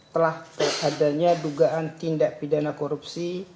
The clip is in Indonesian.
telah adanya dugaan tindak pidana korupsi